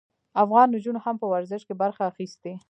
افغان نجونو هم په ورزش کې برخه اخیستې.